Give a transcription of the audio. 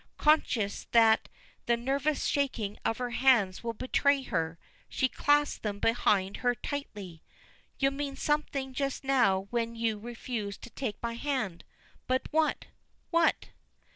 Conscious that the nervous shaking of her hands will betray her, she clasps them behind her tightly. "You meant something just now when you refused to take my hand. But what? What?"